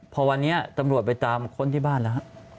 พอวันนี้ตำรวจไปตามคนที่บ้านแล้วฮะ